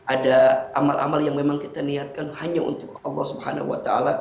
ada amal amal yang memang kita niatkan hanya untuk allah swt